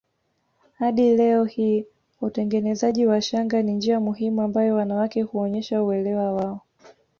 Hadi leo hii utengenezaji wa shanga ni njia muhimu ambayo wanawake huonyesha uelewa wao